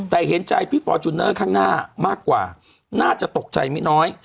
แต่เห็นใจพี่ฟอร์จูเนอร์ข้างหน้ามากกว่าน่าจะตกใจไม่น้อย